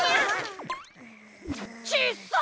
ちっさ！